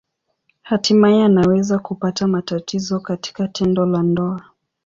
Hatimaye anaweza kupata matatizo katika tendo la ndoa.